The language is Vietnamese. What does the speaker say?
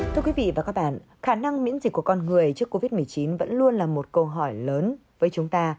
thưa quý vị và các bạn khả năng miễn dịch của con người trước covid một mươi chín vẫn luôn là một câu hỏi lớn với chúng ta